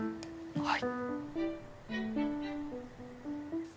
はい！